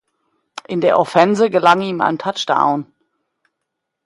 In der Offense gelang ihm ein Touchdown.